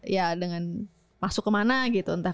ya dengan masuk kemana gitu entah